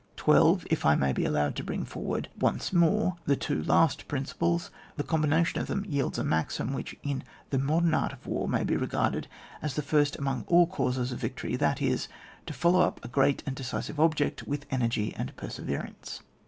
12. If I may be allowed to bring for ward once more the two last principles, the combination of them yields a maxim which, in the modem art of war, may be regarded as the first among all causes of victory, that is : to follow up a great and decisive object with energy and perseve rance.